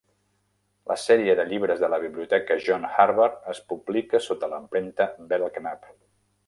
La sèrie de llibres de la Biblioteca John Harvard es publica sota l'empremta Belknap.